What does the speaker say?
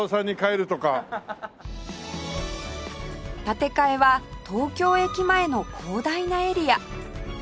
建て替えは東京駅前の広大なエリア